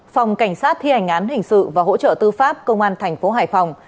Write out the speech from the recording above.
phòng cảnh sát thi hành án hình sự và hỗ trợ tư pháp công an tp hải phòng